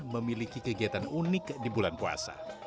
memiliki kegiatan unik di bulan puasa